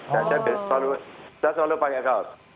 saya selalu pakai kaos